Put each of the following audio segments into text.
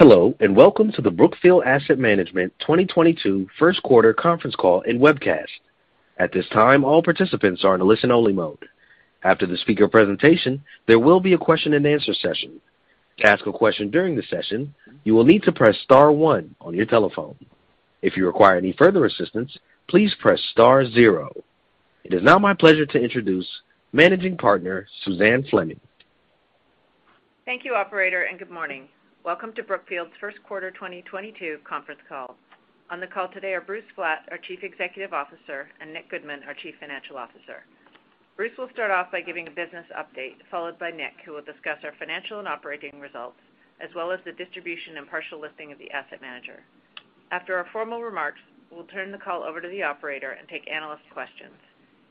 Hello, and welcome to the Brookfield Asset Management 2022 First Quarter Conference Call And webcast. At this time, all participants are in a listen-only mode. After the speaker presentation, there will be a question-and-answer session. To ask a question during the session, you will need to press star one on your telephone. If you require any further assistance, please press star zero. It is now my pleasure to introduce Managing Partner, Suzanne Fleming. Thank you, operator, and good morning. Welcome to Brookfield's first quarter 2022 conference call. On the call today are Bruce Flatt, our Chief Executive Officer, and Nick Goodman, our Chief Financial Officer. Bruce will start off by giving a business update, followed by Nick, who will discuss our financial and operating results, as well as the distribution and partial listing of the asset manager. After our formal remarks, we'll turn the call over to the operator and take analyst questions.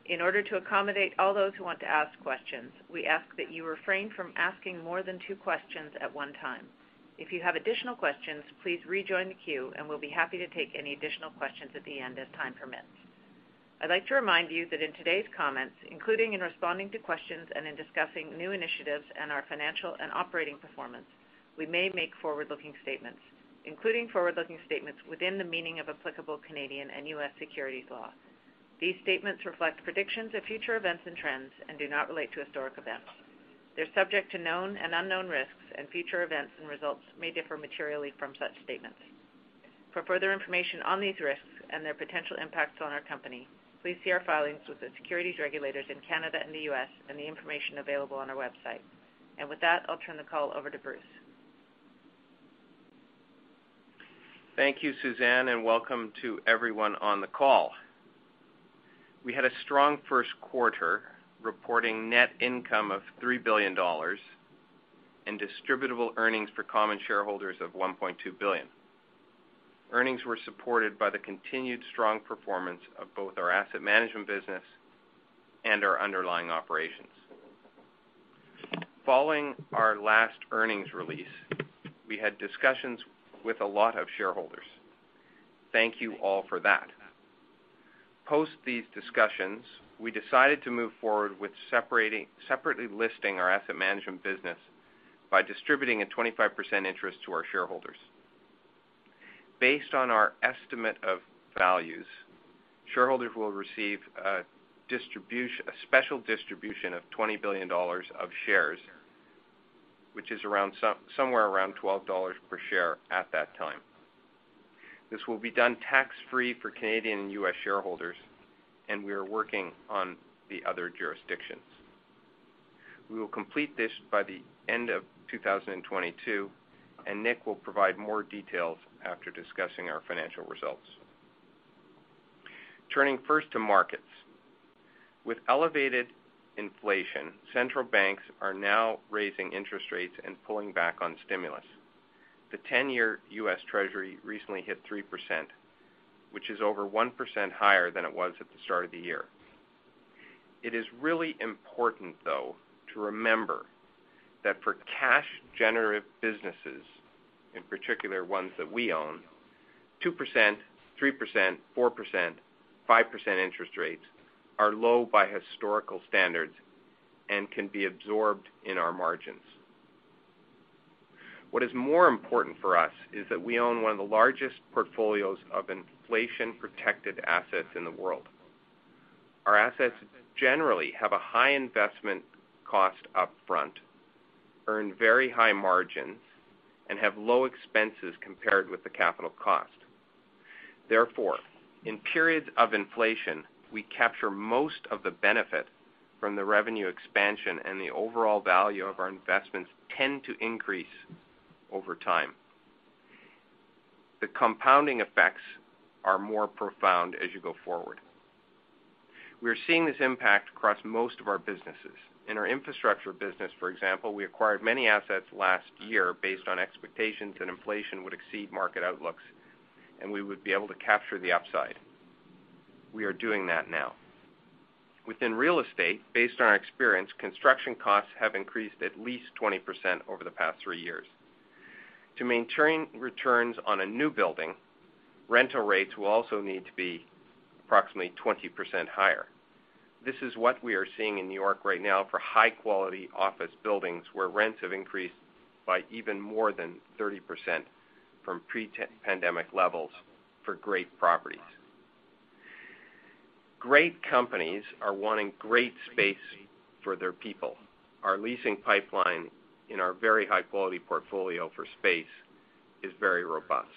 In order to accommodate all those who want to ask questions, we ask that you refrain from asking more than two questions at one time. If you have additional questions, please rejoin the queue, and we'll be happy to take any additional questions at the end as time permits. I'd like to remind you that in today's comments, including in responding to questions and in discussing new initiatives and our financial and operating performance, we may make forward-looking statements, including forward-looking statements within the meaning of applicable Canadian and U.S. securities law. These statements reflect predictions of future events and trends and do not relate to historic events. They're subject to known and unknown risks, and future events and results may differ materially from such statements. For further information on these risks and their potential impacts on our company, please see our filings with the securities regulators in Canada and the U.S., and the information available on our website. With that, I'll turn the call over to Bruce. Thank you, Suzanne, and welcome to everyone on the call. We had a strong first quarter, reporting net income of $3 billion and distributable earnings for common shareholders of $1.2 billion. Earnings were supported by the continued strong performance of both our asset management business and our underlying operations. Following our last earnings release, we had discussions with a lot of shareholders. Thank you all for that. Post these discussions, we decided to move forward with separately listing our asset management business by distributing a 25% interest to our shareholders. Based on our estimate of values, shareholders will receive a special distribution of $20 billion of shares, which is around somewhere around $12 per share at that time. This will be done tax-free for Canadian and U.S. shareholders, and we are working on the other jurisdictions. We will complete this by the end of 2022, and Nick will provide more details after discussing our financial results. Turning first to markets. With elevated inflation, central banks are now raising interest rates and pulling back on stimulus. The 10-year U.S. Treasury recently hit 3%, which is over 1% higher than it was at the start of the year. It is really important, though, to remember that for cash-generative businesses, in particular ones that we own, 2%, 3%, 4%, 5% interest rates are low by historical standards and can be absorbed in our margins. What is more important for us is that we own one of the largest portfolios of inflation-protected assets in the world. Our assets generally have a high investment cost up front, earn very high margins, and have low expenses compared with the capital cost. Therefore, in periods of inflation, we capture most of the benefit from the revenue expansion, and the overall value of our investments tend to increase over time. The compounding effects are more profound as you go forward. We are seeing this impact across most of our businesses. In our infrastructure business, for example, we acquired many assets last year based on expectations that inflation would exceed market outlooks, and we would be able to capture the upside. We are doing that now. Within real estate, based on our experience, construction costs have increased at least 20% over the past three years. To maintain returns on a new building, rental rates will also need to be approximately 20% higher. This is what we are seeing in New York right now for high-quality office buildings, where rents have increased by even more than 30% from pre-pandemic levels for great properties. Great companies are wanting great space for their people. Our leasing pipeline in our very high-quality portfolio for space is very robust.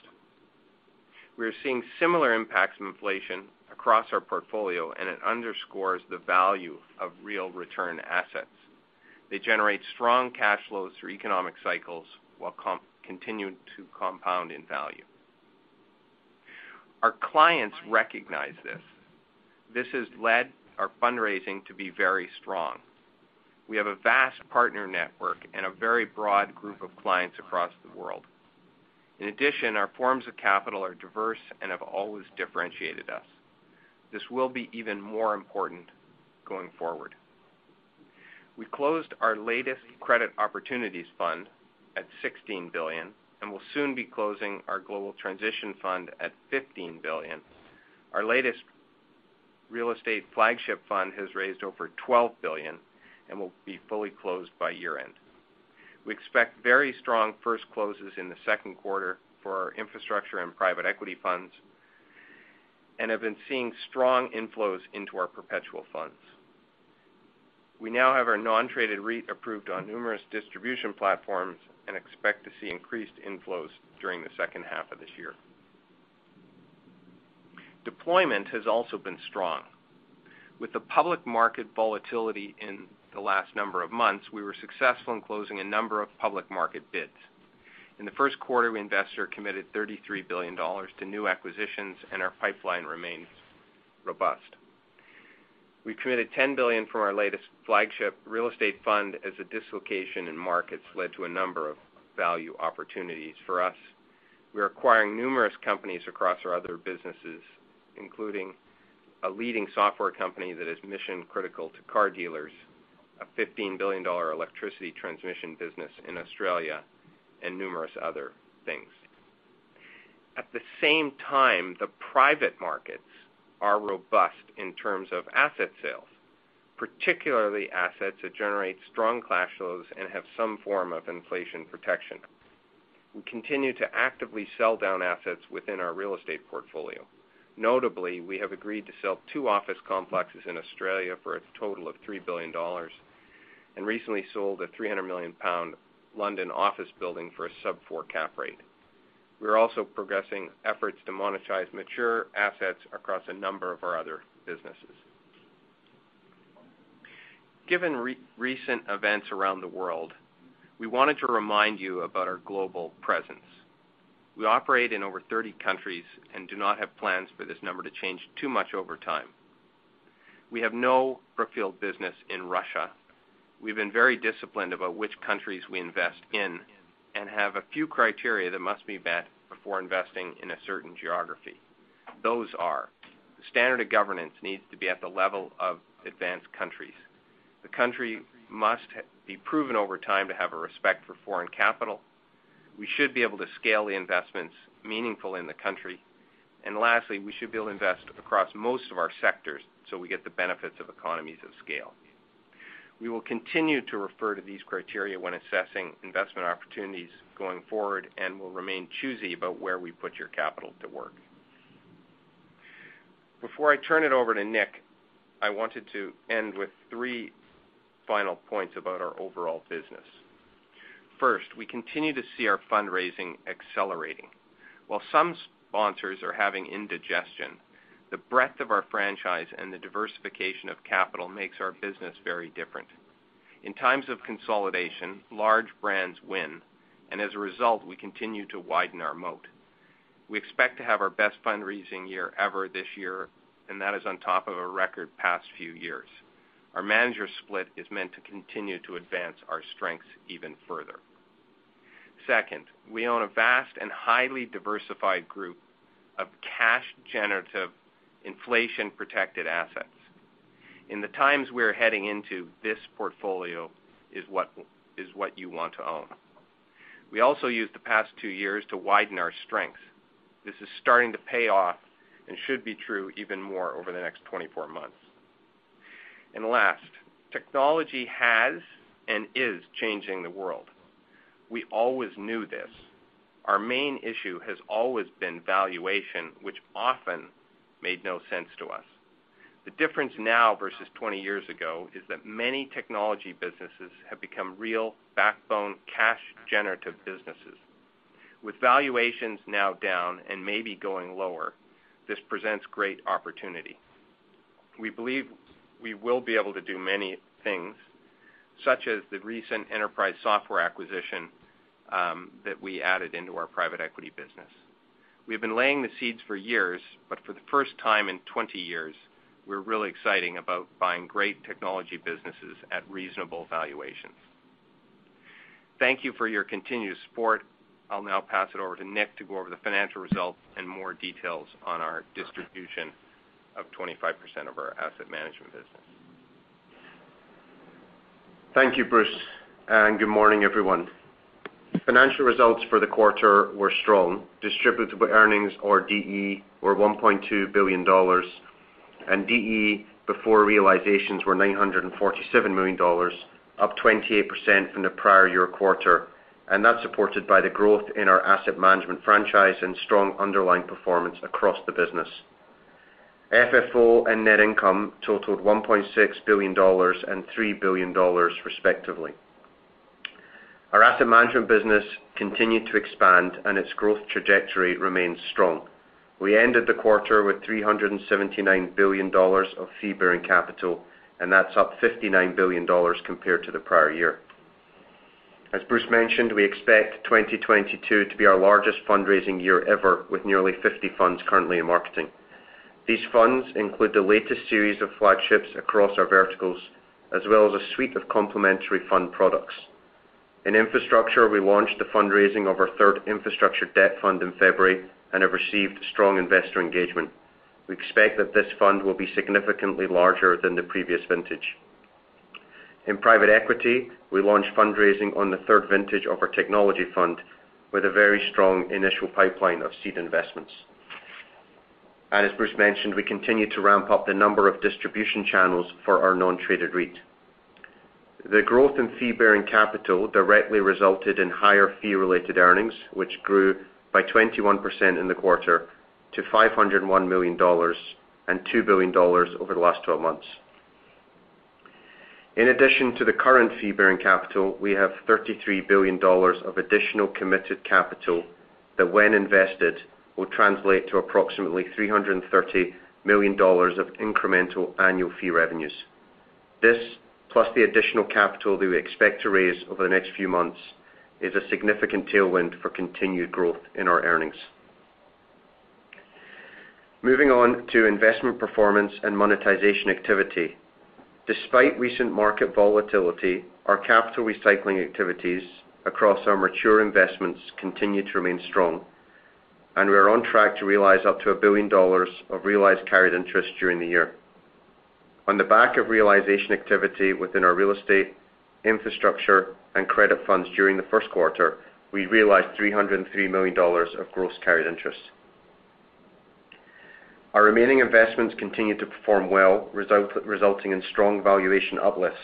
We are seeing similar impacts of inflation across our portfolio, and it underscores the value of real return assets. They generate strong cash flows through economic cycles while continuing to compound in value. Our clients recognize this. This has led our fundraising to be very strong. We have a vast partner network and a very broad group of clients across the world. In addition, our forms of capital are diverse and have always differentiated us. This will be even more important going forward. We closed our latest credit opportunities fund at $16 billion and will soon be closing our global transition fund at $15 billion. Our latest real estate flagship fund has raised over $12 billion and will be fully closed by year-end. We expect very strong first closes in the second quarter for our infrastructure and private equity funds, and have been seeing strong inflows into our perpetual funds. We now have our non-traded REIT approved on numerous distribution platforms and expect to see increased inflows during the second half of this year. Deployment has also been strong. With the public market volatility in the last number of months, we were successful in closing a number of public market bids. In the first quarter, we invested or committed $33 billion to new acquisitions, and our pipeline remains robust. We've committed $10 billion from our latest flagship real estate fund as a dislocation in markets led to a number of value opportunities for us. We're acquiring numerous companies across our other businesses, including a leading software company that is mission critical to car dealers, a $15 billion electricity transmission business in Australia, and numerous other things. At the same time, the private markets are robust in terms of asset sales, particularly assets that generate strong cash flows and have some form of inflation protection. We continue to actively sell down assets within our real estate portfolio. Notably, we have agreed to sell two office complexes in Australia for a total of $3 billion, and recently sold a 300 million pound London office building for a sub-4% cap rate. We're also progressing efforts to monetize mature assets across a number of our other businesses. Given recent events around the world, we wanted to remind you about our global presence. We operate in over 30 countries and do not have plans for this number to change too much over time. We have no Brookfield business in Russia. We've been very disciplined about which countries we invest in and have a few criteria that must be met before investing in a certain geography. Those are the standard of governance needs to be at the level of advanced countries. The country must be proven over time to have a respect for foreign capital. We should be able to scale the investments meaningfully in the country. Lastly, we should be able to invest across most of our sectors so we get the benefits of economies of scale. We will continue to refer to these criteria when assessing investment opportunities going forward, and will remain choosy about where we put your capital to work. Before I turn it over to Nick, I wanted to end with three final points about our overall business. First, we continue to see our fundraising accelerating. While some sponsors are having indigestion, the breadth of our franchise and the diversification of capital makes our business very different. In times of consolidation, large brands win, and as a result, we continue to widen our moat. We expect to have our best fundraising year ever this year, and that is on top of a record past few years. Our manager split is meant to continue to advance our strengths even further. Second, we own a vast and highly diversified group of cash-generative, inflation-protected assets. In the times we're heading into, this portfolio is what you want to own. We also used the past two years to widen our strengths. This is starting to pay off and should be true even more over the next 24 months. Last, technology has and is changing the world. We always knew this. Our main issue has always been valuation, which often made no sense to us. The difference now versus 20 years ago is that many technology businesses have become real backbone cash-generative businesses. With valuations now down and maybe going lower, this presents great opportunity. We believe we will be able to do many things, such as the recent enterprise software acquisition, that we added into our private equity business. We have been laying the seeds for years, but for the first time in 20 years, we're really exciting about buying great technology businesses at reasonable valuations. Thank you for your continued support. I'll now pass it over to Nick to go over the financial results and more details on our distribution of 25% of our asset management business. Thank you, Bruce, and good morning, everyone. Financial results for the quarter were strong. Distributable earnings or DE were $1.2 billion, and DE before realizations were $947 million, up 28% from the prior year quarter. That's supported by the growth in our asset management franchise and strong underlying performance across the business. FFO and net income totaled $1.6 billion and $3 billion, respectively. Our asset management business continued to expand and its growth trajectory remains strong. We ended the quarter with $379 billion of fee-bearing capital, and that's up $59 billion compared to the prior year. As Bruce mentioned, we expect 2022 to be our largest fundraising year ever, with nearly 50 funds currently in marketing. These funds include the latest series of flagships across our verticals, as well as a suite of complementary fund products. In infrastructure, we launched the fundraising of our third infrastructure debt fund in February and have received strong investor engagement. We expect that this fund will be significantly larger than the previous vintage. In private equity, we launched fundraising on the third vintage of our technology fund with a very strong initial pipeline of seed investments. As Bruce mentioned, we continue to ramp up the number of distribution channels for our non-traded REIT. The growth in fee-bearing capital directly resulted in higher fee-related earnings, which grew by 21% in the quarter to $501 million and $2 billion over the last 12 months. In addition to the current fee-bearing capital, we have $33 billion of additional committed capital that when invested, will translate to approximately $330 million of incremental annual fee revenues. This, plus the additional capital that we expect to raise over the next few months, is a significant tailwind for continued growth in our earnings. Moving on to investment performance and monetization activity. Despite recent market volatility, our capital recycling activities across our mature investments continue to remain strong, and we are on track to realize up to $1 billion of realized carried interest during the year. On the back of realization activity within our real estate, infrastructure, and credit funds during the first quarter, we realized $303 million of gross carried interest. Our remaining investments continued to perform well, resulting in strong valuation uplifts.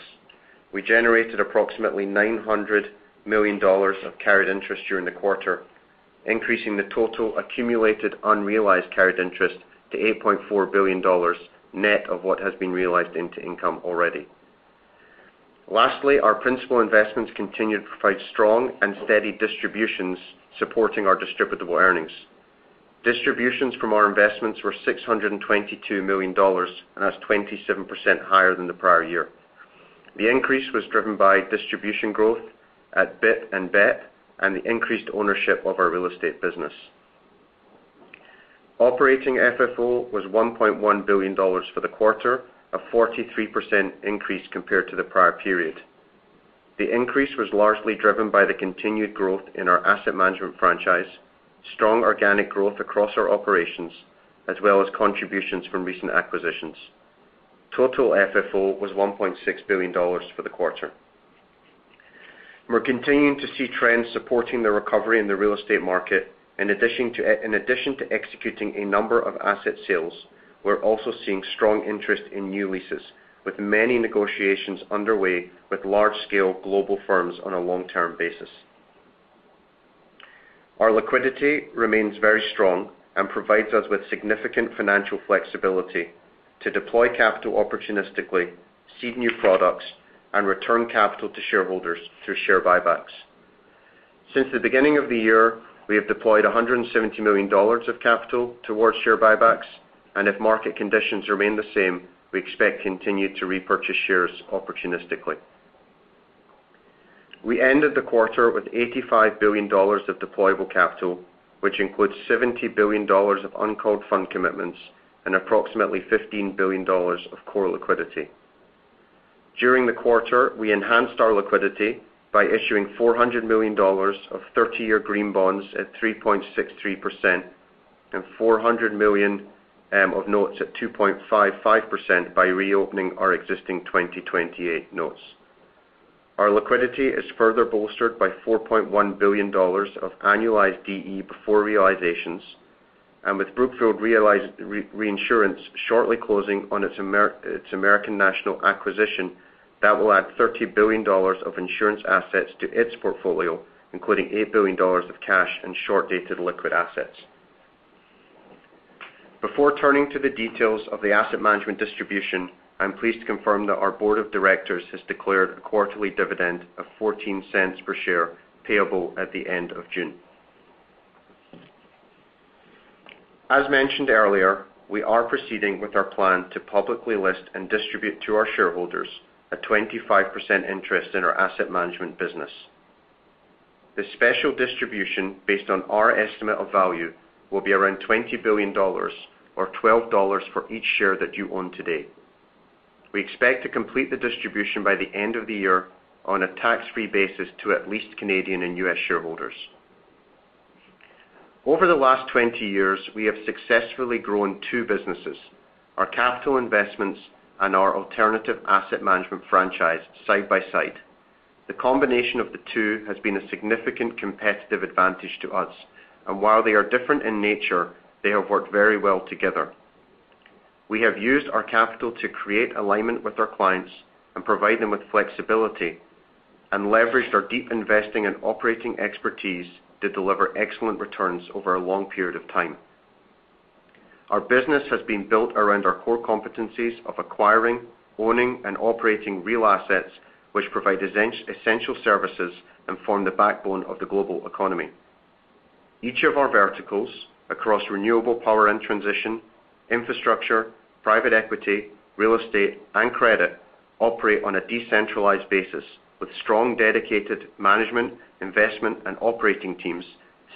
We generated approximately $900 million of carried interest during the quarter, increasing the total accumulated unrealized carried interest to $8.4 billion, net of what has been realized into income already. Lastly, our principal investments continued to provide strong and steady distributions supporting our distributable earnings. Distributions from our investments were $622 million, and that's 27% higher than the prior year. The increase was driven by distribution growth at BIP and BEP and the increased ownership of our real estate business. Operating FFO was $1.1 billion for the quarter, a 43% increase compared to the prior period. The increase was largely driven by the continued growth in our asset management franchise, strong organic growth across our operations, as well as contributions from recent acquisitions. Total FFO was $1.6 billion for the quarter. We're continuing to see trends supporting the recovery in the real estate market. In addition to executing a number of asset sales, we're also seeing strong interest in new leases, with many negotiations underway with large-scale global firms on a long-term basis. Our liquidity remains very strong and provides us with significant financial flexibility to deploy capital opportunistically, seed new products, and return capital to shareholders through share buybacks. Since the beginning of the year, we have deployed $170 million of capital towards share buybacks, and if market conditions remain the same, we expect to continue to repurchase shares opportunistically. We ended the quarter with $85 billion of deployable capital, which includes $70 billion of uncalled fund commitments and approximately $15 billion of core liquidity. During the quarter, we enhanced our liquidity by issuing $400 million of 30-year green bonds at 3.63% and $400 million of notes at 2.55% by reopening our existing 2028 notes. Our liquidity is further bolstered by $4.1 billion of annualized DE before realizations, and with Brookfield Reinsurance shortly closing on its American National acquisition, that will add $30 billion of insurance assets to its portfolio, including $8 billion of cash and short-dated liquid assets. Before turning to the details of the asset management distribution, I'm pleased to confirm that our board of directors has declared a quarterly dividend of $0.14 per share payable at the end of June. As mentioned earlier, we are proceeding with our plan to publicly list and distribute to our shareholders a 25% interest in our asset management business. The special distribution based on our estimate of value will be around $20 billion or $12 for each share that you own today. We expect to complete the distribution by the end of the year on a tax-free basis to at least Canadian and U.S. shareholders. Over the last 20 years, we have successfully grown two businesses, our capital investments and our alternative asset management franchise side by side. The combination of the two has been a significant competitive advantage to us, and while they are different in nature, they have worked very well together. We have used our capital to create alignment with our clients and provide them with flexibility and leveraged our deep investing and operating expertise to deliver excellent returns over a long period of time. Our business has been built around our core competencies of acquiring, owning, and operating real assets, which provide essential services and form the backbone of the global economy. Each of our verticals across renewable power and transition, infrastructure, private equity, real estate, and credit operate on a decentralized basis with strong, dedicated management, investment, and operating teams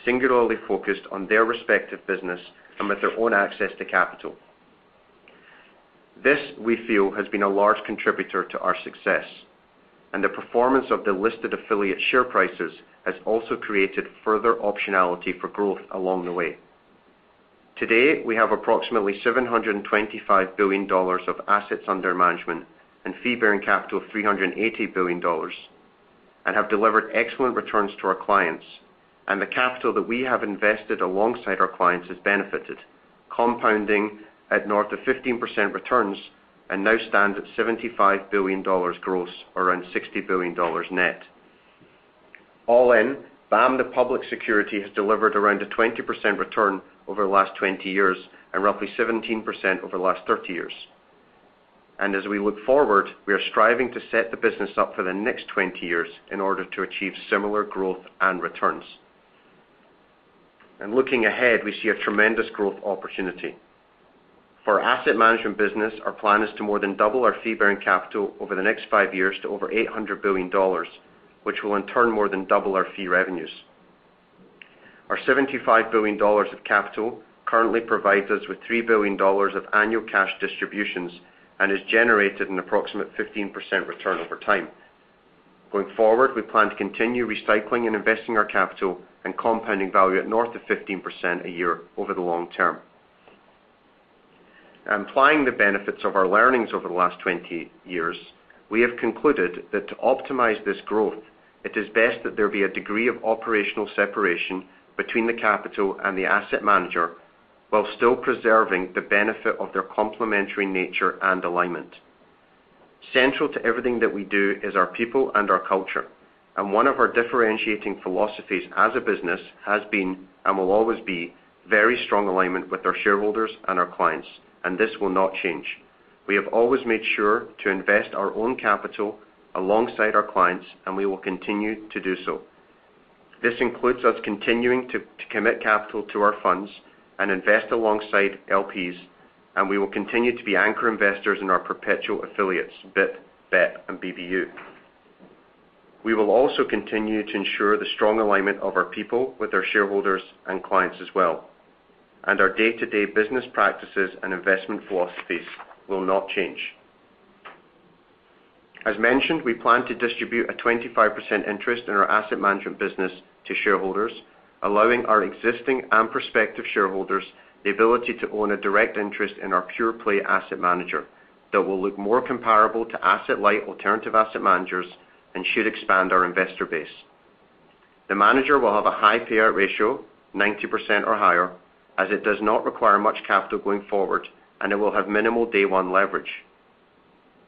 singularly focused on their respective business and with their own access to capital. This, we feel, has been a large contributor to our success, and the performance of the listed affiliate share prices has also created further optionality for growth along the way. Today, we have approximately $725 billion of assets under management and fee-bearing capital of $380 billion, and have delivered excellent returns to our clients. The capital that we have invested alongside our clients has benefited, compounding at north of 15% returns and now stand at $75 billion gross, around $60 billion net. All in, BAM, the public security, has delivered around a 20% return over the last 20 years and roughly 17% over the last 30 years. As we look forward, we are striving to set the business up for the next 20 years in order to achieve similar growth and returns. Looking ahead, we see a tremendous growth opportunity. For our asset management business, our plan is to more than double our fee-bearing capital over the next five years to over $800 billion, which will in turn more than double our fee revenues. Our $75 billion of capital currently provides us with $3 billion of annual cash distributions and has generated an approximate 15% return over time. Going forward, we plan to continue recycling and investing our capital and compounding value at north of 15% a year over the long term. Applying the benefits of our learnings over the last 20 years, we have concluded that to optimize this growth, it is best that there be a degree of operational separation between the capital and the asset manager while still preserving the benefit of their complementary nature and alignment. Central to everything that we do is our people and our culture, and one of our differentiating philosophies as a business has been and will always be very strong alignment with our shareholders and our clients, and this will not change. We have always made sure to invest our own capital alongside our clients, and we will continue to do so. This includes us continuing to commit capital to our funds and invest alongside LPs, and we will continue to be anchor investors in our perpetual affiliates, BIP, BEP, and BBU. We will also continue to ensure the strong alignment of our people with our shareholders and clients as well. Our day-to-day business practices and investment philosophies will not change. As mentioned, we plan to distribute a 25% interest in our asset management business to shareholders, allowing our existing and prospective shareholders the ability to own a direct interest in our pure-play asset manager that will look more comparable to asset-light alternative asset managers and should expand our investor base. The manager will have a high payout ratio, 90% or higher, as it does not require much capital going forward, and it will have minimal day one leverage.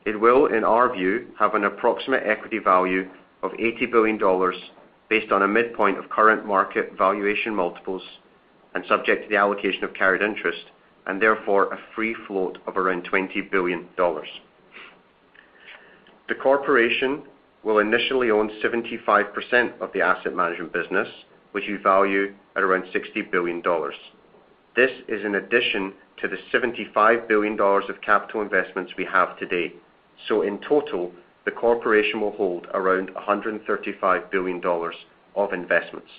It will, in our view, have an approximate equity value of $80 billion based on a midpoint of current market valuation multiples and subject to the allocation of carried interest, and therefore a free float of around $20 billion. The corporation will initially own 75% of the asset management business, which we value at around $60 billion. This is in addition to the $75 billion of capital investments we have to date. In total, the corporation will hold around $135 billion of investments.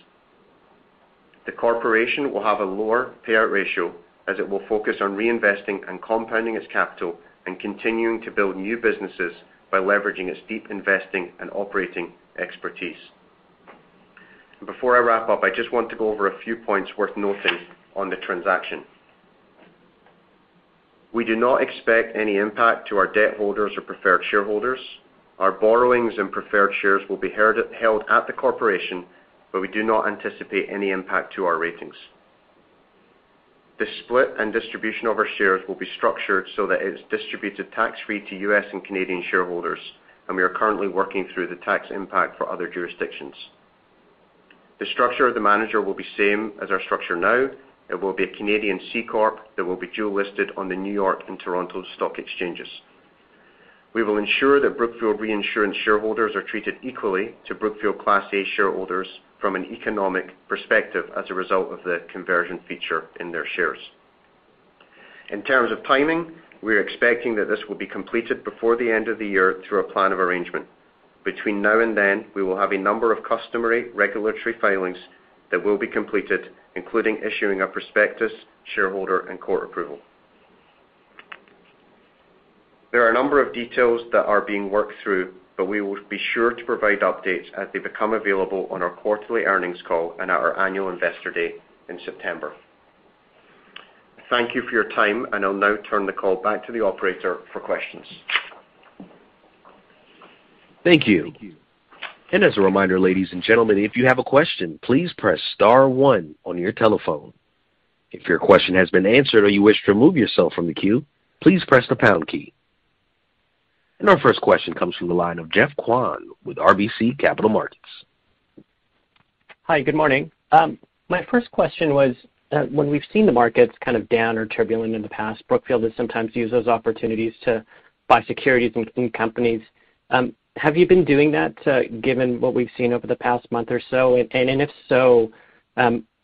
The corporation will have a lower payout ratio as it will focus on reinvesting and compounding its capital and continuing to build new businesses by leveraging its deep investing and operating expertise. Before I wrap up, I just want to go over a few points worth noting on the transaction. We do not expect any impact to our debt holders or preferred shareholders. Our borrowings and preferred shares will be held at the corporation, but we do not anticipate any impact to our ratings. The split and distribution of our shares will be structured so that it's distributed tax-free to U.S. and Canadian shareholders, and we are currently working through the tax impact for other jurisdictions. The structure of the manager will be same as our structure now. It will be a Canadian C Corp that will be dual-listed on the New York Stock Exchange and Toronto Stock Exchange. We will ensure that Brookfield Reinsurance shareholders are treated equally to Brookfield Class A shareholders from an economic perspective as a result of the conversion feature in their shares. In terms of timing, we are expecting that this will be completed before the end of the year through a plan of arrangement. Between now and then, we will have a number of customary regulatory filings that will be completed, including issuing a prospectus, shareholder, and court approval. There are a number of details that are being worked through, but we will be sure to provide updates as they become available on our quarterly earnings call and at our annual investor day in September. Thank you for your time, and I'll now turn the call back to the operator for questions. Thank you. As a reminder, ladies and gentlemen, if you have a question, please press star one on your telephone. If your question has been answered or you wish to remove yourself from the queue, please press the pound key. Our first question comes from the line of Geoff Kwan with RBC Capital Markets. Hi, good morning. My first question was, when we've seen the markets kind of down or turbulent in the past, Brookfield has sometimes used those opportunities to buy securities in companies. Have you been doing that, given what we've seen over the past month or so? If so,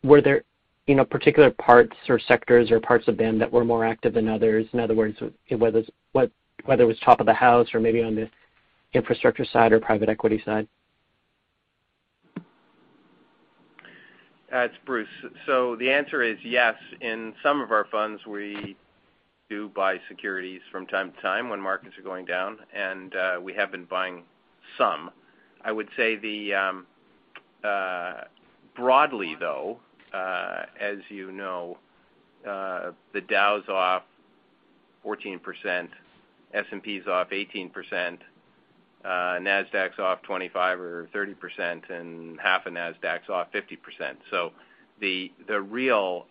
were there, you know, particular parts or sectors or parts of them that were more active than others? In other words, whether it was top of the house or maybe on the infrastructure side or private equity side. It's Bruce. The answer is yes. In some of our funds, we do buy securities from time to time when markets are going down, and we have been buying some. I would say the Broadly, as you know, the Dow's off 14%, S&P's off 18%, Nasdaq's off 25 or 30%, and half of Nasdaq's off 50%. The real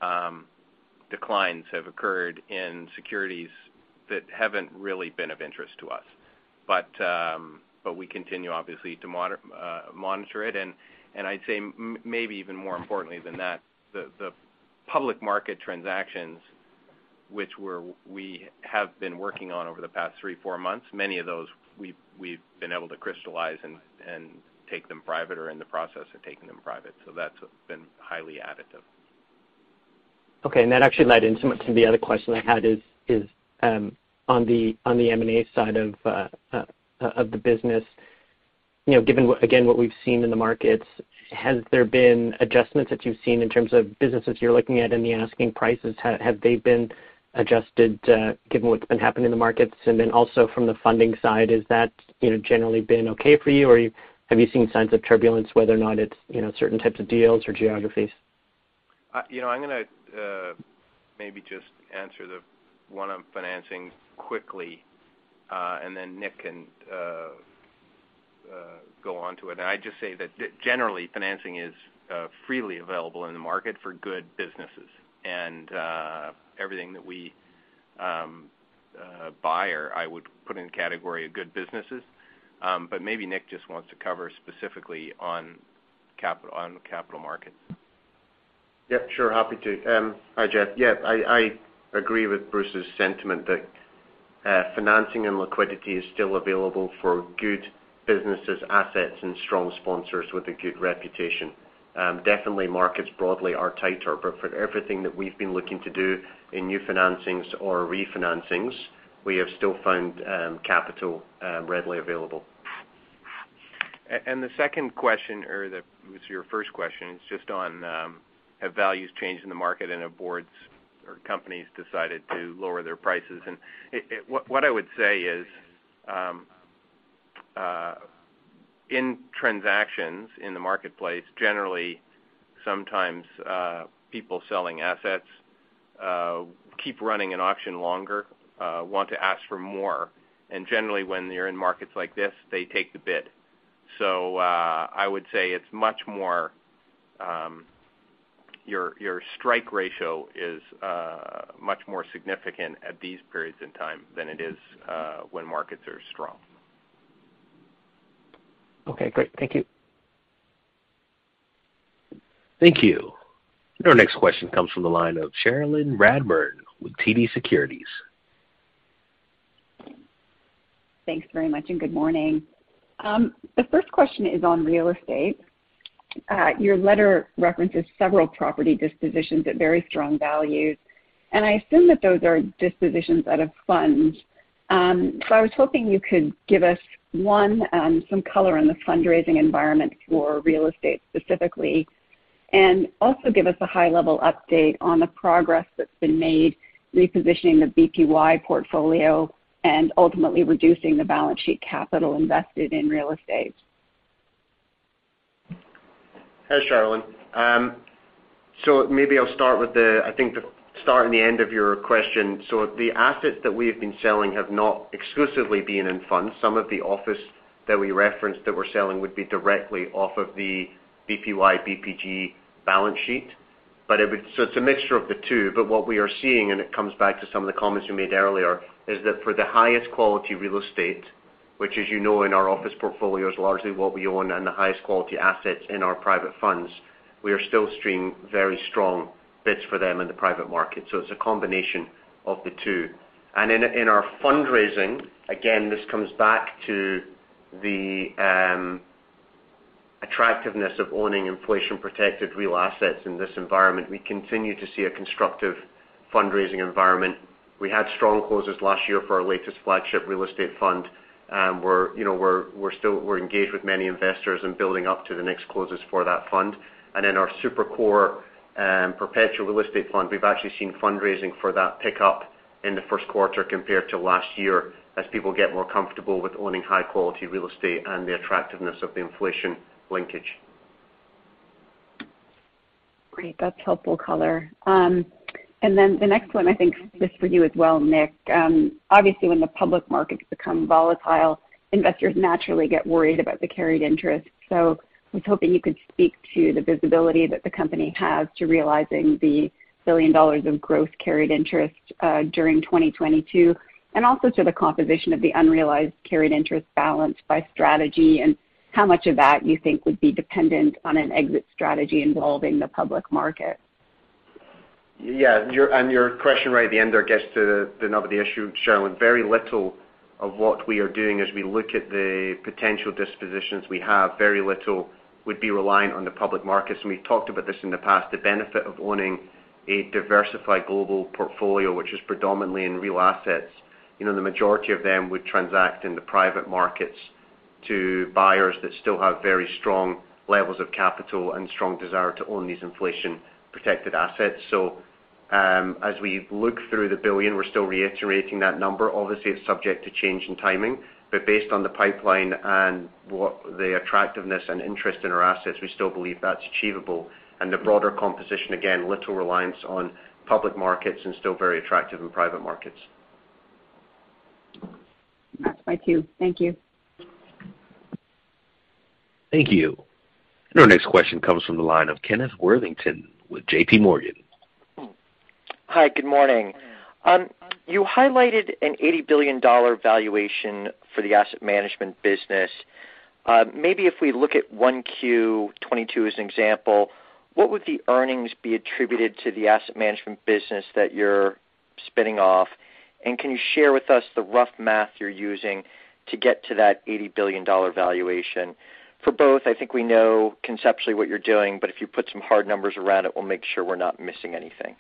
declines have occurred in securities that haven't really been of interest to us. We continue obviously to monitor it. I'd say maybe even more importantly than that, the public market transactions which we have been working on over the past three or four months, many of those we've been able to crystallize and take them private or in the process of taking them private. That's been highly additive. Okay. That actually led into the other question I had is on the M&A side of the business. You know, given what we've seen in the markets, has there been adjustments that you've seen in terms of businesses you're looking at in the asking prices, have they been adjusted given what's been happening in the markets? Also from the funding side, is that generally been okay for you, or have you seen signs of turbulence, whether or not it's certain types of deals or geographies? You know, I'm gonna maybe just answer the one on financing quickly, and then Nick can go on to it. I'd just say that generally, financing is freely available in the market for good businesses. Everything that we buy, I would put in the category of good businesses. But maybe Nick just wants to cover specifically on capital markets. Yeah, sure. Happy to. Hi, Geoffrey. Yeah, I agree with Bruce's sentiment that financing and liquidity is still available for good businesses, assets, and strong sponsors with a good reputation. Definitely markets broadly are tighter, but for everything that we've been looking to do in new financings or refinancings, we have still found capital readily available. The second question or the was your first question is just on have values changed in the market and have boards or companies decided to lower their prices? What I would say is in transactions in the marketplace, generally, sometimes people selling assets keep running an auction longer, want to ask for more. Generally, when you're in markets like this, they take the bid. I would say it's much more, your strike ratio is much more significant at these periods in time than it is when markets are strong. Okay, great. Thank you. Thank you. Our next question comes from the line of Cherilyn Radbourne with TD Securities. Thanks very much, and good morning. The first question is on real estate. Your letter references several property dispositions at very strong values, and I assume that those are dispositions out of funds. I was hoping you could give us, one, some color on the fundraising environment for real estate specifically, and also give us a high-level update on the progress that's been made repositioning the BPY portfolio and ultimately reducing the balance sheet capital invested in real estate. Hi, Cherilyn. Maybe I'll start with the, I think the start and the end of your question. The assets that we have been selling have not exclusively been in funds. Some of the office that we referenced that we're selling would be directly off of the BPY, BPG balance sheet. It's a mixture of the two. What we are seeing, and it comes back to some of the comments you made earlier, is that for the highest quality real estate, which as you know, in our office portfolio is largely what we own and the highest quality assets in our private funds, we are still seeing very strong bids for them in the private market. It's a combination of the two. In our fundraising, again, this comes back to the attractiveness of owning inflation-protected real assets in this environment. We continue to see a constructive fundraising environment. We had strong closes last year for our latest flagship real estate fund, we're you know still engaged with many investors and building up to the next closes for that fund. In our super-core perpetual real estate fund, we've actually seen fundraising for that pick up in the first quarter compared to last year as people get more comfortable with owning high-quality real estate and the attractiveness of the inflation linkage. Great. That's helpful color. And then the next one I think is for you as well, Nick. Obviously, when the public markets become volatile, investors naturally get worried about the carried interest. I was hoping you could speak to the visibility that the company has to realizing the $1 billion of growth carried interest during 2022, and also to the composition of the unrealized carried interest balance by strategy, and how much of that you think would be dependent on an exit strategy involving the public market. Yeah. Your question right at the end there gets to the nub of the issue, Cherilyn. Very little of what we are doing as we look at the potential dispositions we have, very little would be reliant on the public markets. We've talked about this in the past, the benefit of owning a diversified global portfolio, which is predominantly in real assets. You know, the majority of them would transact in the private markets to buyers that still have very strong levels of capital and strong desire to own these inflation-protected assets. So, as we look through the billion, we're still reiterating that number. Obviously, it's subject to change in timing. Based on the pipeline and what the attractiveness and interest in our assets, we still believe that's achievable. The broader composition, again, little reliance on public markets and still very attractive in private markets. Thank you. Thank you. Thank you. Our next question comes from the line of Kenneth Worthington with JP Morgan. Hi, good morning. You highlighted an $80 billion valuation for the asset management business. Maybe if we look at 1Q 2022 as an example, what would the earnings be attributed to the asset management business that you're spinning off? Can you share with us the rough math you're using to get to that $80 billion valuation. For both, I think we know conceptually what you're doing, but if you put some hard numbers around it, we'll make sure we're not missing anything.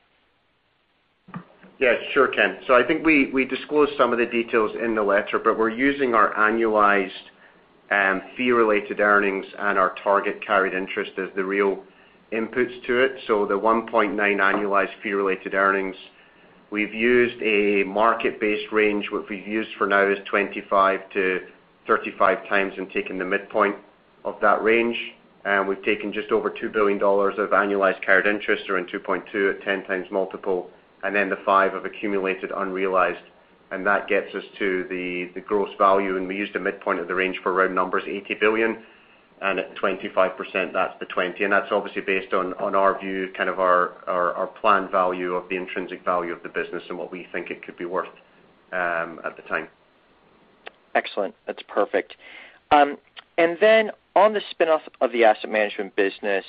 Yes, sure, Ken. I think we disclosed some of the details in the letter, but we're using our annualized fee-related earnings and our target carried interest as the real inputs to it. The 1.9 annualized fee-related earnings, we've used a market-based range. What we've used for now is 25x-35x and taken the midpoint of that range. We've taken just over $2 billion of annualized carried interest, around 2.2 at 10x multiple, and then the $5 billion of accumulated unrealized, and that gets us to the gross value. We used a midpoint of the range for round numbers, $80 billion. At 25%, that's the $20. That's obviously based on our view, kind of our planned value of the intrinsic value of the business and what we think it could be worth, at the time. Excellent. That's perfect. On the spin-off of the asset management business,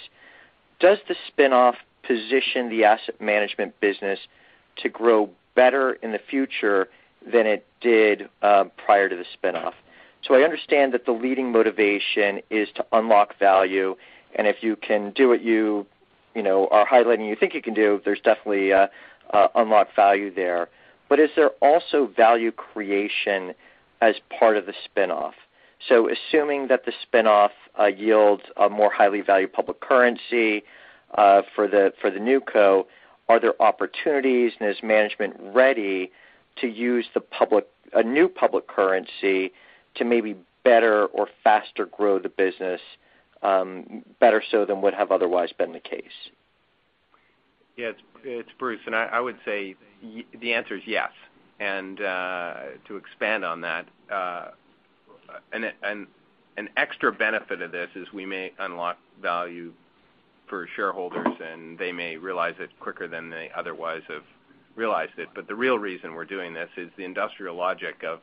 does the spin-off position the asset management business to grow better in the future than it did prior to the spin-off? I understand that the leading motivation is to unlock value. If you can do what you know are highlighting you think you can do, there's definitely unlocked value there. Is there also value creation as part of the spin-off? Assuming that the spin-off yields a more highly valued public currency for the new co, are there opportunities, and is management ready to use a new public currency to maybe better or faster grow the business better so than would have otherwise been the case? Yeah. It's Bruce. I would say the answer is yes. To expand on that, an extra benefit of this is we may unlock value for shareholders, and they may realize it quicker than they otherwise have realized it. The real reason we're doing this is the industrial logic of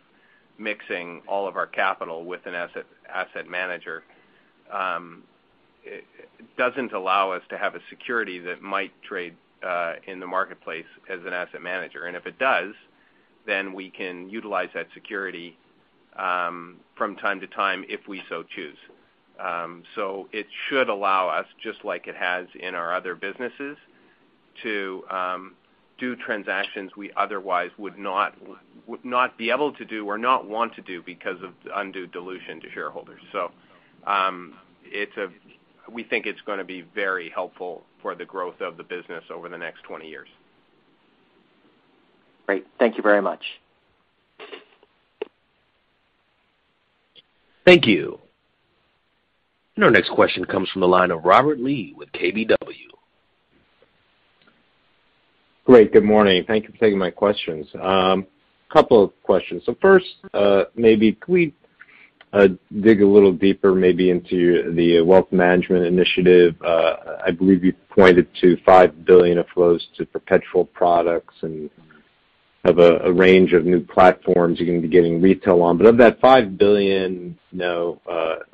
mixing all of our capital with an asset manager. It doesn't allow us to have a security that might trade in the marketplace as an asset manager. If it does, then we can utilize that security from time to time if we so choose. It should allow us, just like it has in our other businesses, to do transactions we otherwise would not be able to do or not want to do because of undue dilution to shareholders. We think it's gonna be very helpful for the growth of the business over the next 20 years. Great. Thank you very much. Thank you. Our next question comes from the line of Robert Lee with KBW. Great, good morning. Thank you for taking my questions. Couple of questions. First, maybe could we dig a little deeper maybe into the wealth management initiative? I believe you pointed to $5 billion of flows to perpetual products and have a range of new platforms you're gonna be getting retail on. Of that $5 billion, you know,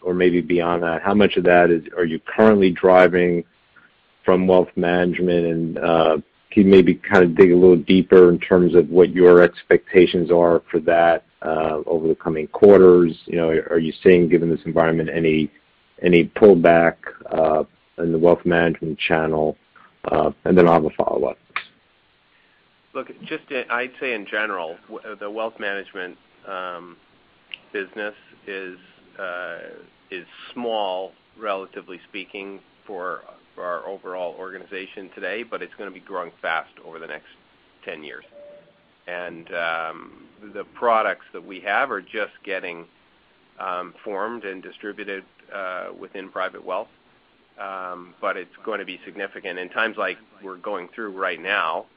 or maybe beyond that, how much of that are you currently driving from wealth management? Can you maybe kind of dig a little deeper in terms of what your expectations are for that over the coming quarters? You know, are you seeing, given this environment, any pullback in the wealth management channel? Then I'll have a follow-up. Look, just, I'd say in general, the wealth management business is small, relatively speaking, for our overall organization today, but it's gonna be growing fast over the next 10 years. The products that we have are just getting formed and distributed within private wealth, but it's going to be significant. Times like we're going through right now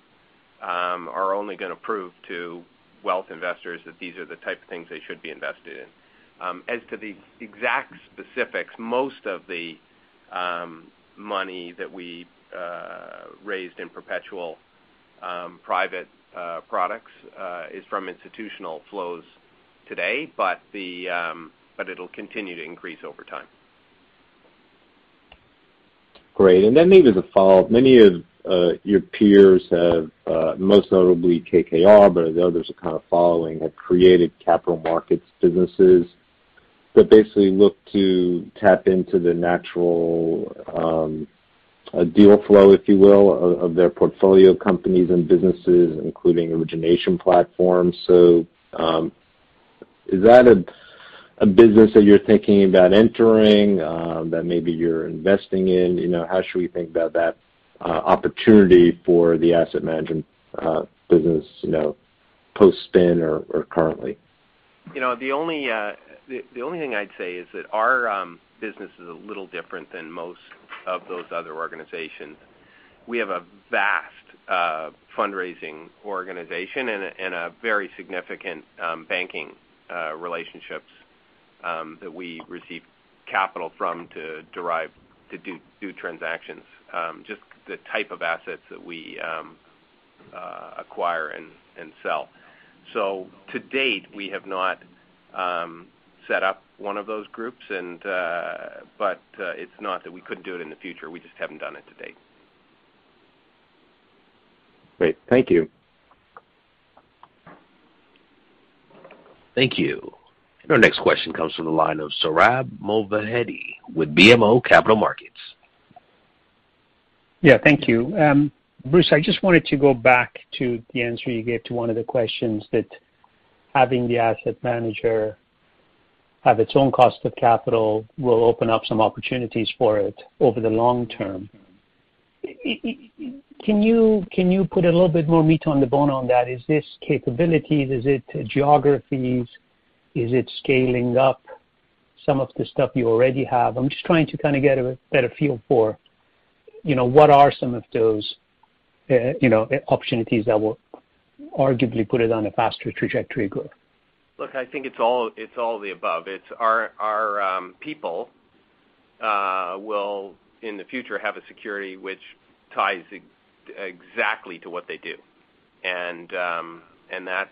are only gonna prove to wealth investors that these are the type of things they should be invested in. As to the exact specifics, most of the money that we raised in perpetual private products is from institutional flows today, but it'll continue to increase over time. Great. Maybe as a follow-up. Many of your peers have, most notably KKR, but others are kind of following, have created capital markets businesses that basically look to tap into the natural deal flow, if you will, of their portfolio companies and businesses, including origination platforms. Is that a business that you're thinking about entering, that maybe you're investing in? You know, how should we think about that opportunity for the asset management business, you know, post-spin or currently? You know, the only thing I'd say is that our business is a little different than most of those other organizations. We have a vast fundraising organization and a very significant banking relationships that we receive capital from to do transactions, just the type of assets that we acquire and sell. To date, we have not set up one of those groups, but it's not that we couldn't do it in the future, we just haven't done it to date. Great. Thank you. Thank you. Our next question comes from the line of Sohrab Movahedi with BMO Capital Markets. Yeah, thank you. Bruce, I just wanted to go back to the answer you gave to one of the questions that having the asset manager have its own cost of capital will open up some opportunities for it over the long term. Can you put a little bit more meat on the bone on that? Is this capabilities? Is it geographies? Is it scaling up some of the stuff you already have? I'm just trying to kinda get a better feel for, you know, what are some of those, you know, opportunities that will arguably put it on a faster trajectory growth. Look, I think it's all of the above. It's our people will, in the future, have a security which ties exactly to what they do. And that's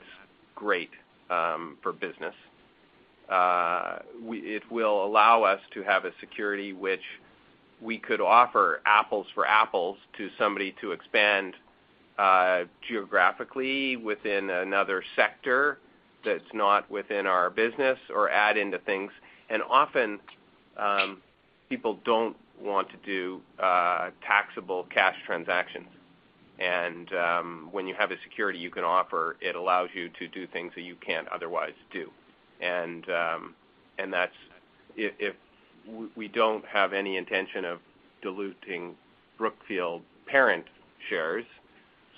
great for business. It will allow us to have a security which we could offer apples for apples to somebody to expand geographically within another sector that's not within our business or add into things. Often, people don't want to do taxable cash transactions. When you have a security you can offer, it allows you to do things that you can't otherwise do. That's. If we don't have any intention of diluting Brookfield Parent shares,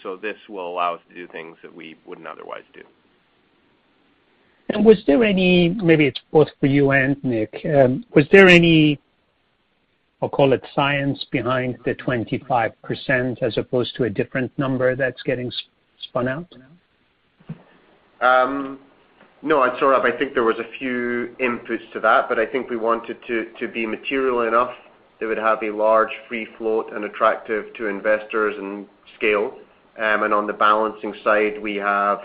so this will allow us to do things that we wouldn't otherwise do. Was there any? Maybe it's both for you and Nick. Was there any, I'll call it science behind the 25% as opposed to a different number that's getting spun out? No. Sohrab, I think there was a few inputs to that, but I think we wanted to be material enough that would have a large free float and attractive to investors and scale. On the balancing side, we have,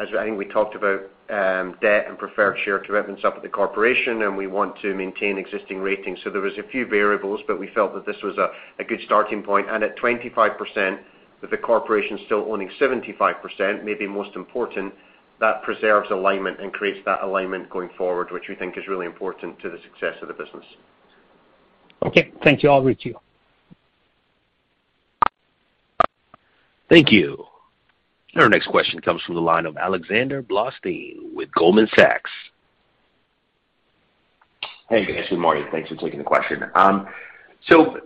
as I think we talked about, debt and preferred share commitments up at the corporation, and we want to maintain existing ratings. There was a few variables, but we felt that this was a good starting point. At 25%, with the corporation still owning 75%, maybe most important, that preserves alignment and creates that alignment going forward, which we think is really important to the success of the business. Okay. Thank you. I'll requeue. Thank you. Our next question comes from the line of Alexander Blostein with Goldman Sachs. Hey, guys. Good morning. Thanks for taking the question.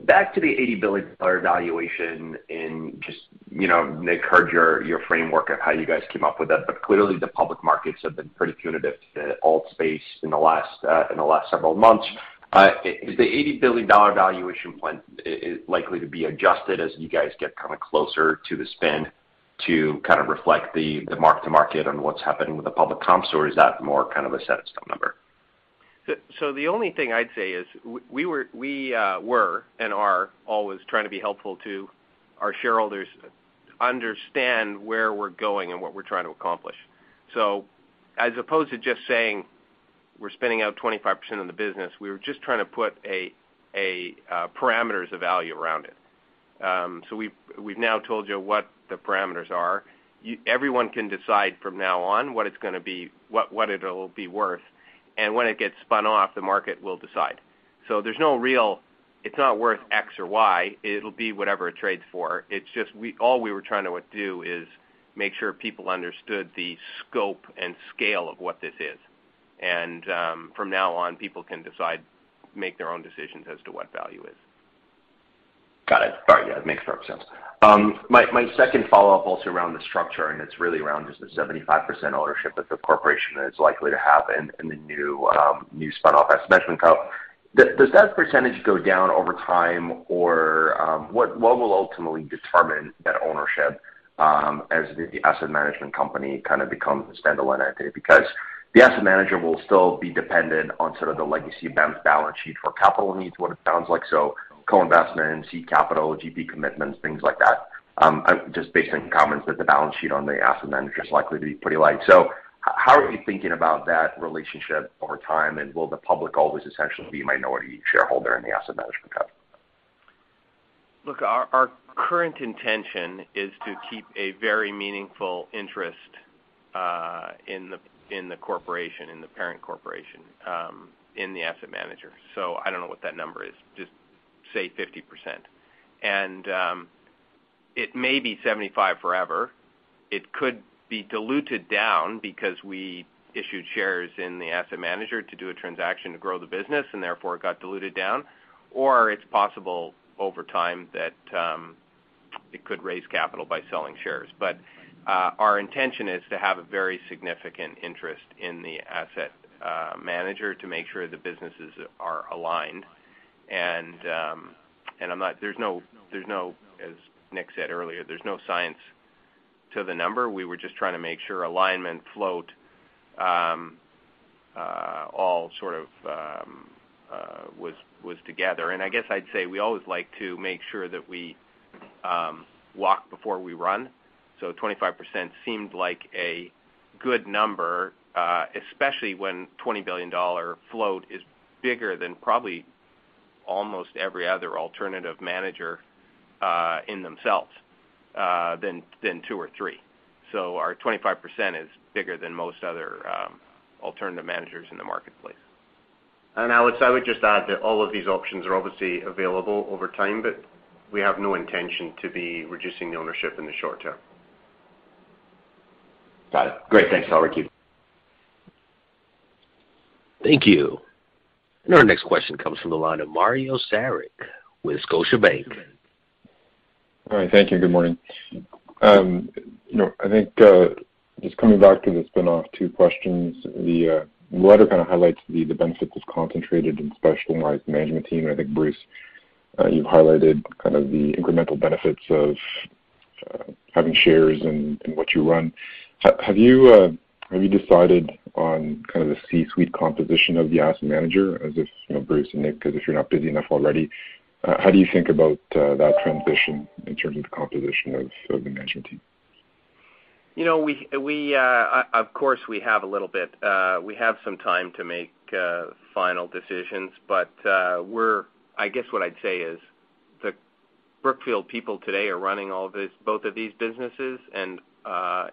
Back to the $80 billion valuation. I just, you know, Nick, heard your framework of how you guys came up with that. Clearly, the public markets have been pretty punitive to the alt space in the last several months. Is the $80 billion valuation plan likely to be adjusted as you guys get kinda closer to the spin to kind of reflect the mark-to-market on what's happening with the public comps? Or is that more kind of a set-in-stone number? The only thing I'd say is we were and are always trying to be helpful to our shareholders understand where we're going and what we're trying to accomplish. As opposed to just saying we're spinning out 25% of the business, we were just trying to put parameters of value around it. We've now told you what the parameters are. Everyone can decide from now on what it's gonna be, what it'll be worth. When it gets spun off, the market will decide. There's no real. It's not worth X or Y, it'll be whatever it trades for. It's just all we were trying to do is make sure people understood the scope and scale of what this is. From now on, people can decide. Make their own decisions as to what value is. Got it. All right. Yeah, it makes perfect sense. My second follow-up also around the structure, and it's really around just the 75% ownership that the corporation is likely to have in the new spun-off asset management co. Does that percentage go down over time? Or what will ultimately determine that ownership as the asset management company kinda becomes standalone entity? Because the asset manager will still be dependent on sort of the legacy balance sheet for capital needs, what it sounds like. So co-investment, seed capital, GP commitments, things like that. Just based on comments that the balance sheet on the asset manager is likely to be pretty light. So how are you thinking about that relationship over time, and will the public always essentially be minority shareholder in the asset management co? Look, our current intention is to keep a very meaningful interest in the corporation, in the parent corporation, in the asset manager. I don't know what that number is. Just say 50%. It may be 75% forever. It could be diluted down because we issued shares in the asset manager to do a transaction to grow the business, and therefore it got diluted down. It's possible over time that it could raise capital by selling shares. Our intention is to have a very significant interest in the asset manager to make sure the businesses are aligned. There's no science to the number, as Nick said earlier. We were just trying to make sure alignment float all sort of was together. I guess I'd say we always like to make sure that we walk before we run. 25% seemed like a good number, especially when $20 billion float is bigger than probably almost every other alternative manager in themselves than two or three. Our 25% is bigger than most other alternative managers in the marketplace. Alex, I would just add that all of these options are obviously available over time, but we have no intention to be reducing the ownership in the short term. Got it. Great. Thanks, Alexander Blostein. Thank you. Our next question comes from the line of Mario Saric with Scotiabank. All right. Thank you. Good morning. You know, I think just coming back to the spin-off, two questions. The letter kind of highlights the benefits of concentrated and specialized management team. I think, Bruce, you've highlighted kind of the incremental benefits of having shares in what you run. Have you have you decided on kind of the C-suite composition of the asset manager as if, you know, Bruce and Nick, because if you're not busy enough already, how do you think about that transition in terms of the composition of the management team? You know, we of course have a little bit. We have some time to make final decisions. We're, I guess what I'd say is the Brookfield people today are running all of this, both of these businesses, and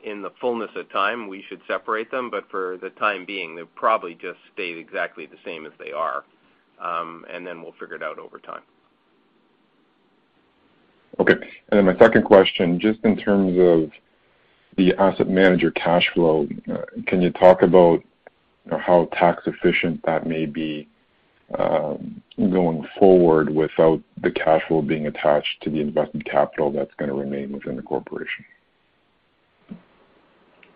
in the fullness of time, we should separate them. For the time being, they'll probably just stay exactly the same as they are. Then we'll figure it out over time. Okay. My second question, just in terms of the asset manager cash flow, can you talk about, you know, how tax efficient that may be, going forward without the cash flow being attached to the investment capital that's gonna remain within the corporation?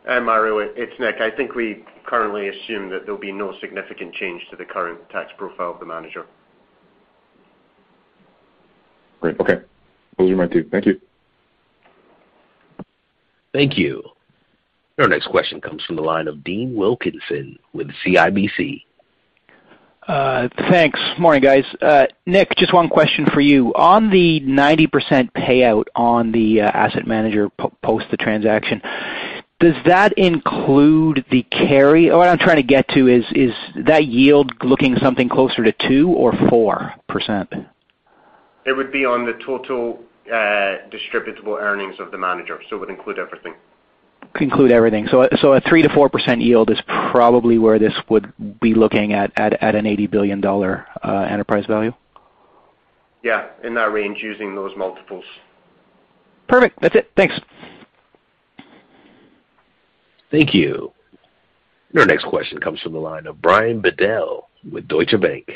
Mario, it's Nick. I think we currently assume that there'll be no significant change to the current tax profile of the manager. Great. Okay. Those are my two. Thank you. Thank you. Our next question comes from the line of Dean Wilkinson with CIBC. Thanks. Morning, guys. Nick, just one question for you. On the 90% payout on the asset manager post the transaction, does that include the carry? Or what I'm trying to get to is that yield looking something closer to 2% or 4%? It would be on the total, distributable earnings of the manager. It would include everything. Include everything. A 3%-4% yield is probably where this would be looking at an $80 billion enterprise value. Yeah, in that range using those multiples. Perfect. That's it. Thanks. Thank you. Our next question comes from the line of Brian Bedell with Deutsche Bank.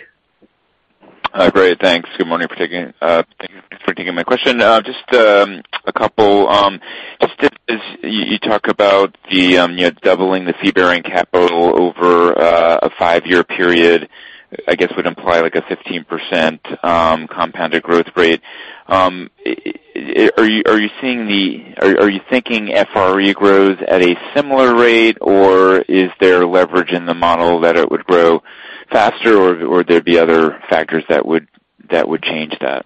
Hi. Great. Thanks. Good morning. Thank you for taking my question. Just a couple, as you talk about the, you know, doubling the fee-bearing capital over a five-year period, I guess, would imply like a 15% compounded growth rate. Are you thinking FRE grows at a similar rate, or is there leverage in the model that it would grow faster, or would there be other factors that would change that?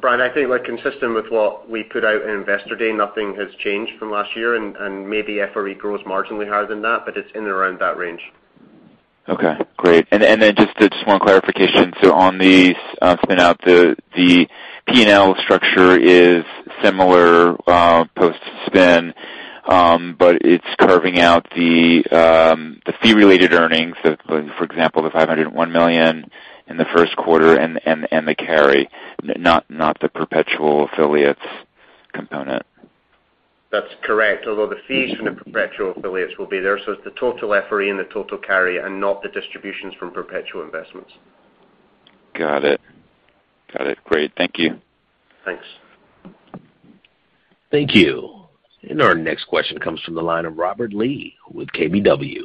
Brian, I think we're consistent with what we put out in Investor Day. Nothing has changed from last year. Maybe FRE grows marginally higher than that, but it's in and around that range. Okay, great. Just one clarification. On the spin out the P&L structure is similar post-spin, but it's carving out the fee-related earnings. For example, the $501 million in the first quarter and the carry, not the perpetual affiliates component. That's correct. Although the fees from the perpetual affiliates will be there. It's the total FRE and the total carry and not the distributions from perpetual investments. Got it. Great. Thank you. Thanks. Thank you. Our next question comes from the line of Robert Lee with KBW.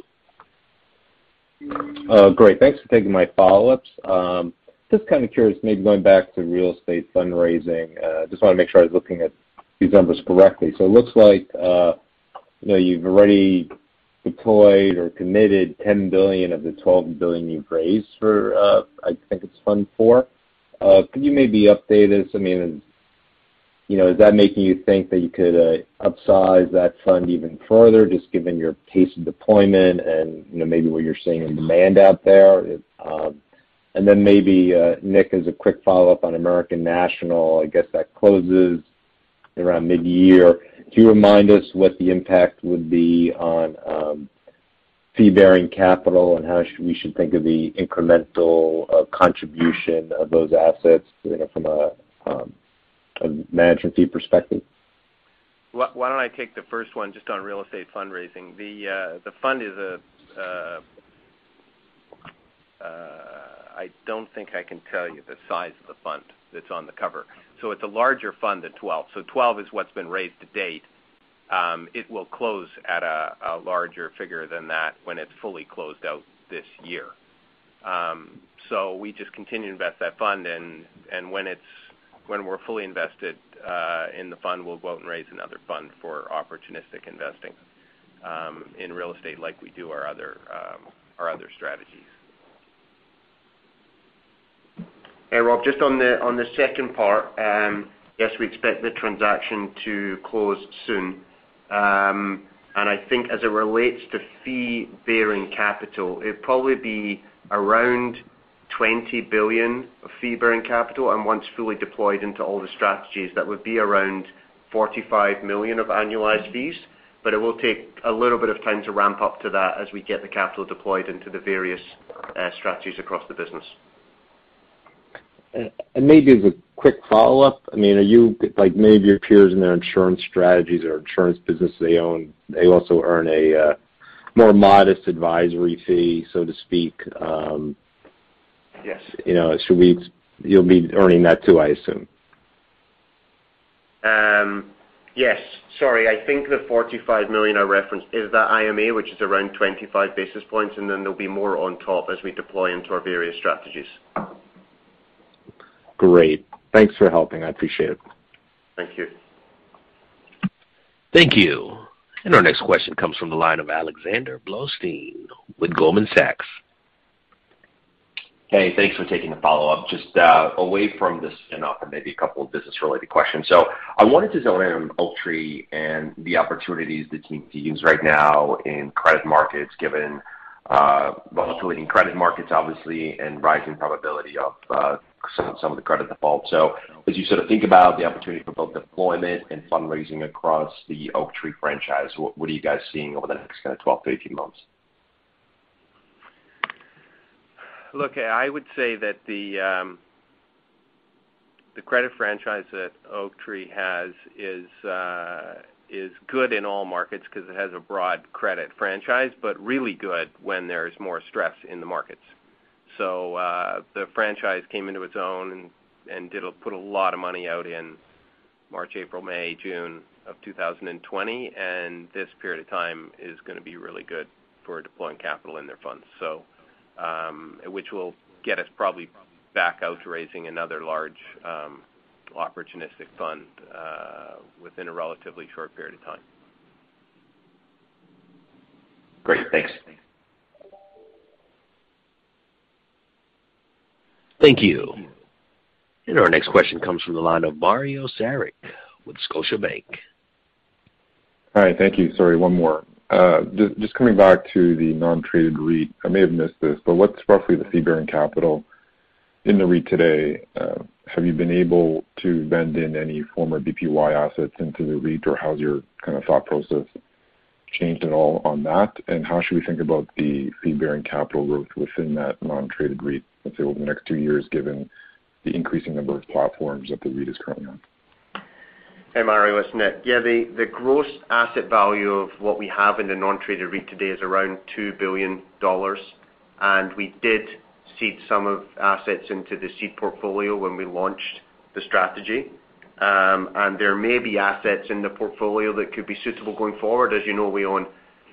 Oh, great. Thanks for taking my follow-ups. Just kind of curious, maybe going back to real estate fundraising. Just wanna make sure I was looking at these numbers correctly. It looks like, you know, you've already deployed or committed $10 billion of the $12 billion you've raised for, I think it's fund four. Could you maybe update us? I mean, you know, is that making you think that you could upsize that fund even further just given your pace of deployment and, you know, maybe what you're seeing in demand out there? Maybe, Nick, as a quick follow-up on American National, I guess that closes around mid-year. Can you remind us what the impact would be on. Fee-bearing capital and how we should think of the incremental contribution of those assets, you know, from a management fee perspective. Why don't I take the first one just on real estate fundraising. The fund is a. I don't think I can tell you the size of the fund that's on the cover. It's a larger fund than 12. 12 is what's been raised to date. It will close at a larger figure than that when it's fully closed out this year. We just continue to invest that fund and when we're fully invested in the fund, we'll go out and raise another fund for opportunistic investing in real estate like we do our other strategies. Hey, Rob, just on the second part, yes, we expect the transaction to close soon. I think as it relates to fee-bearing capital, it'd probably be around $20 billion of fee-bearing capital. Once fully deployed into all the strategies, that would be around $45 million of annualized fees. It will take a little bit of time to ramp up to that as we get the capital deployed into the various strategies across the business. Maybe as a quick follow-up, I mean, are you, like many of your peers in their insurance strategies or insurance business they own, they also earn a more modest advisory fee, so to speak? Yes. You know, so you'll be earning that too, I assume. Yes. Sorry. I think the $45 million I referenced is the IMA, which is around 25 basis points, and then there'll be more on top as we deploy into our various strategies. Great. Thanks for helping. I appreciate it. Thank you. Thank you. Our next question comes from the line of Alexander Blostein with Goldman Sachs. Hey, thanks for taking the follow-up. Just away from the spin-off and maybe a couple of business-related questions. I wanted to zone in on Oaktree and the opportunities the team sees right now in credit markets, given volatility in credit markets obviously and rising probability of some of the credit defaults. As you sort of think about the opportunity for both deployment and fundraising across the Oaktree franchise, what are you guys seeing over the next kinda 12, 13 months? Look, I would say that the credit franchise that Oaktree has is good in all markets 'cause it has a broad credit franchise, but really good when there's more stress in the markets. The franchise came into its own and put a lot of money out in March, April, May, June of 2020, and this period of time is gonna be really good for deploying capital in their funds. Which will get us probably back out raising another large opportunistic fund within a relatively short period of time. Great. Thanks. Thank you. Our next question comes from the line of Mario Saric with Scotiabank. Hi. Thank you. Sorry, one more. Just coming back to the non-traded REIT. I may have missed this, but what's roughly the fee-bearing capital in the REIT today? Have you been able to vend in any former BPY assets into the REIT, or has your kinda thought process changed at all on that? And how should we think about the fee-bearing capital growth within that non-traded REIT, let's say, over the next two years, given the increasing number of platforms that the REIT is currently on? Hey, Mario. It's Nick. The gross asset value of what we have in the non-traded REIT today is around $2 billion. We did seed some of assets into the seed portfolio when we launched the strategy. There may be assets in the portfolio that could be suitable going forward. As you know, we own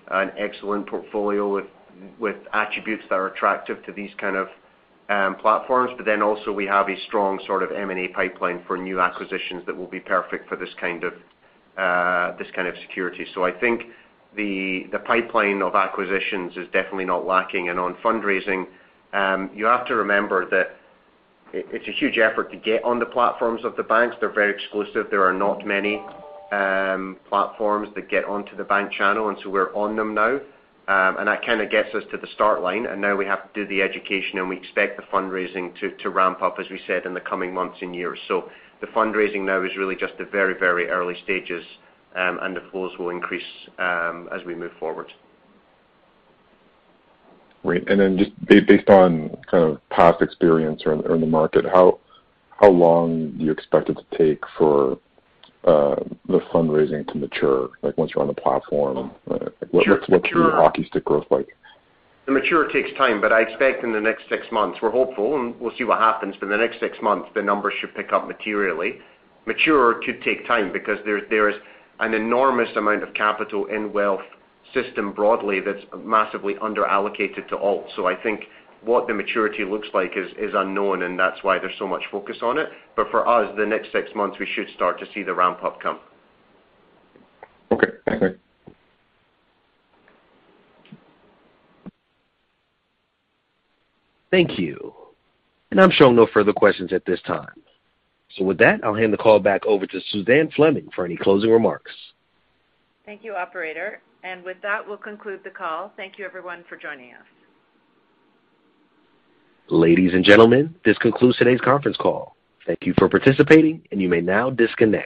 an excellent portfolio with attributes that are attractive to these kind of platforms. Also we have a strong sort of M&A pipeline for new acquisitions that will be perfect for this kind of security. I think the pipeline of acquisitions is definitely not lacking. On fundraising, you have to remember that it's a huge effort to get on the platforms of the banks. They're very exclusive. There are not many platforms that get onto the bank channel, and so we're on them now. That kinda gets us to the start line, and now we have to do the education, and we expect the fundraising to ramp up, as we said, in the coming months and years. The fundraising now is really just at very, very early stages, and the flows will increase, as we move forward. Great. Then just based on kind of past experience or in the market, how long do you expect it to take for the fundraising to mature, like once you're on the platform? What's the hockey stick growth like? To mature takes time, but I expect in the next six months. We're hopeful, and we'll see what happens, but in the next six months, the numbers should pick up materially. Mature could take time because there's an enormous amount of capital in the wealth ecosystem broadly that's massively underallocated to alt. I think what the maturity looks like is unknown, and that's why there's so much focus on it. For us, the next six months, we should start to see the ramp-up come. Okay. Thanks, Nick. Thank you. I'm showing no further questions at this time. With that, I'll hand the call back over to Suzanne Fleming for any closing remarks. Thank you, operator. With that, we'll conclude the call. Thank you everyone for joining us. Ladies and gentlemen, this concludes today's conference call. Thank you for participating, and you may now disconnect.